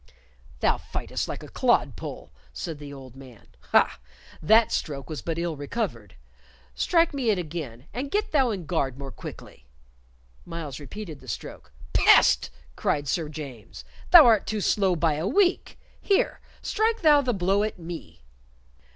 "Thou fightest like a clodpole," said the old man. "Ha, that stroke was but ill recovered. Strike me it again, and get thou in guard more quickly." Myles repeated the stroke. "Pest!" cried Sir James. "Thou art too slow by a week. Here, strike thou the blow at me."